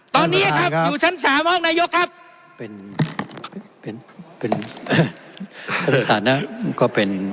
ตอนนี้ครับอยู่ชั้นสามห้องนายกครับเป็นเป็นสถานะก็เป็น